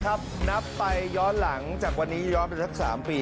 นับไปย้อนหลังจากวันนี้ย้อนไปสัก๓ปี